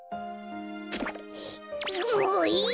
もういいよ！